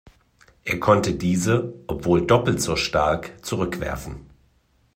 Er konnte diese, obwohl doppelt so stark, zurückwerfen.